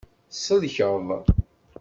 Tselkeḍ.